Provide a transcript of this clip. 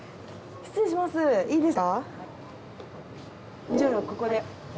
失礼します。